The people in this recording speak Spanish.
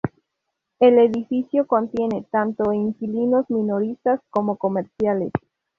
El edificio contiene tanto inquilinos minoristas como comerciales.